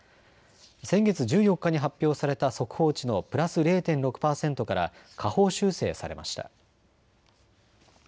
先月１４日に発表された速報値のプラス０．６％から下方修正されました。